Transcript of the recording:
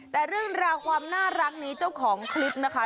แต่เรื่องราวความน่ารักนี้เจ้าของคลิปนะคะ